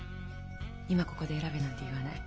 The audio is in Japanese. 今ここで選べなんて言わない。